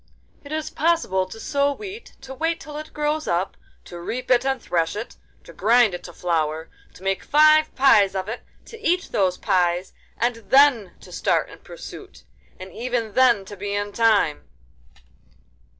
'It is possible to sow wheat, to wait till it grows up, to reap it and thresh it, to grind it to flour, to make five pies of it, to eat those pies, and then to start in pursuit—and even then to be in time.